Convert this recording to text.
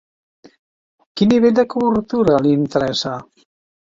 Quin nivell de cobertura li interessa?